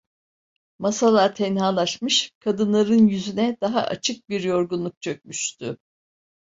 Masalar tenhalaşmış, kadınların yüzüne daha açık bir yorgunluk çökmüştü.